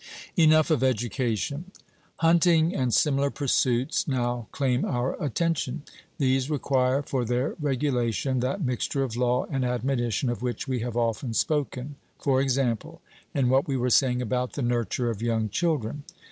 Enough of education. Hunting and similar pursuits now claim our attention. These require for their regulation that mixture of law and admonition of which we have often spoken; e.g., in what we were saying about the nurture of young children.